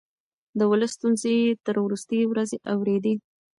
د ولس ستونزې يې تر وروستۍ ورځې اورېدې.